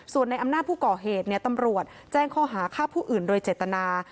ส่วนในอำนาจผู้ก่อเหตุตำรวจแจ้งข้อหาฆ่าผู้อื่นโดยเจตนา